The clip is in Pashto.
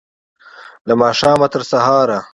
له ماښامه، تر سهاره